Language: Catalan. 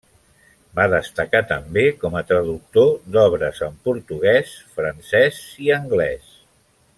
Va destacar també com a traductor d'obres en portuguès, francès i anglès.